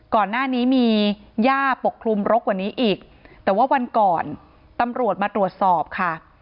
ก่อนหน้านี้มีย่าปกคลุมรกกว่านี้อีกแต่ว่าวันก่อนตำรวจมาตรวจสอบค่ะ